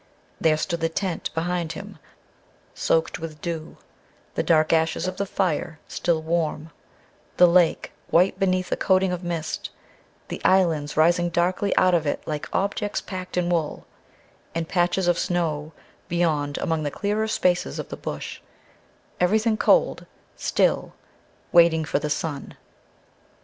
There stood the tent behind him, soaked with dew; the dark ashes of the fire, still warm; the lake, white beneath a coating of mist, the islands rising darkly out of it like objects packed in wool; and patches of snow beyond among the clearer spaces of the Bush everything cold, still, waiting for the sun.